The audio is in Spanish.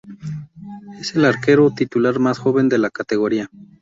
Es el arquero titular más joven de la categoría.